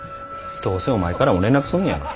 どうせお前からも連絡すんねやろ。